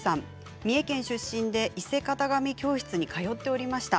三重県出身で伊勢型紙教室に通っておりました。